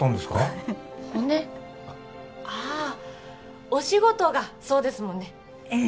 ああお仕事がそうですもんねええ